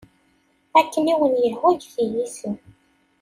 Akken i wen-yehwa get-iyi isem.